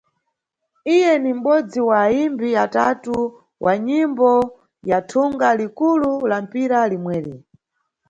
Iye ni mʼbodzi wa ayimbi atatu wa nyimbo ya thunga likulu la mpira limweri.